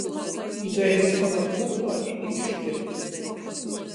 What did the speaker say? Dzeive savad kūpā i izškir.